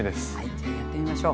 じゃあやってみましょう。